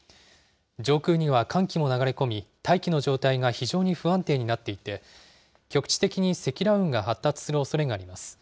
上空には寒気も流れ込み、大気の状態が非常に不安定になっていて、局地的に積乱雲が発達するおそれがあります。